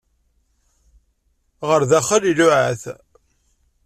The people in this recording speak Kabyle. Ɣer daxel, iluɛa-t.